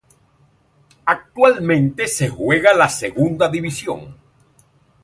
Actualmente juega en la Segunda División.